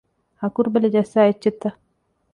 ހަކުރުބަލި ޖައްސާ އެއްޗެއްތަ؟